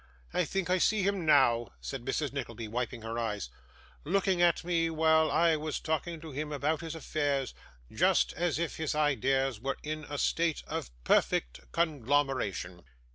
I think I see him now!' said Mrs. Nickleby, wiping her eyes, 'looking at me while I was talking to him about his affairs, just as if his ideas were in a state of perfect conglomeration!